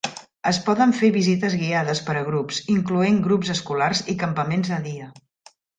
Es poden fer visites guiades per a grups, incloent grups escolars i campaments de dia.